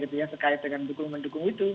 berkait dengan dukungan dukungan itu